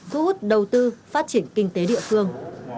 thu hút đầu tư phát triển kinh tế địa phương